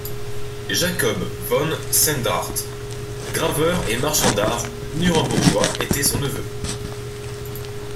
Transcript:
Jacob von Sandrart, graveur et marchand d'art nurembourgeois, était son neveu.